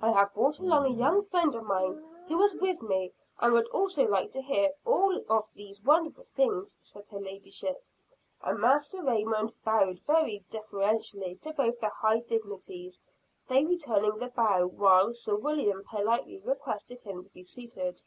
"I have brought along a young friend of mine, who was with me, and would also like to hear of all these wonderful things," said her ladyship; and Master Raymond bowed very deferentially to both the high dignities, they returning the bow, while Sir William politely requested him to be seated.